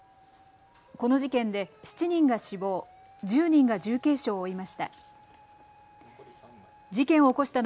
この事件で７人が死亡、１０人が重軽傷を負いました。